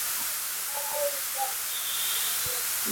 তুমি দেখতে পাচ্ছ না?